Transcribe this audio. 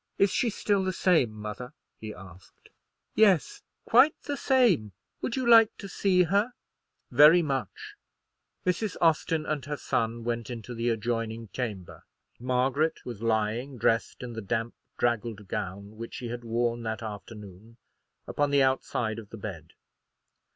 "Is she still the same, mother?" he asked. "Yes, quite the same. Would you like to see her?" "Very much." Mrs. Austin and her son went into the adjoining chamber. Margaret was lying, dressed in the damp, draggled gown which she had worn that afternoon, upon the outside of the bed.